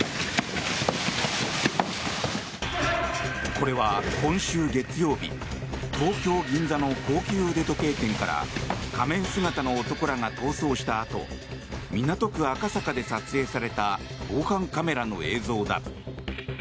これは、今週月曜日東京・銀座の高級腕時計店から仮面姿の男らが逃走したあと港区赤坂で撮影された防犯カメラの映像だ。